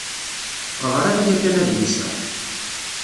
Ɣṛiɣ yakan adlis-a.